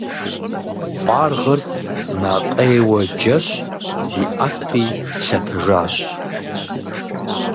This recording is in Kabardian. Къуаргъыр макъейуэ джэщ, зиӀэтри лъэтэжащ.